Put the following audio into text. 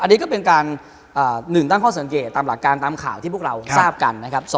อันนี้ก็เป็นการ๑ตั้งข้อสังเกตตามหลักการตามข่าวที่พวกเราทราบกันนะครับ